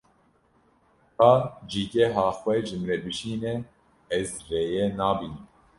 Ka cîgeha xwe ji min re bişîne, ez rêyê nabînim.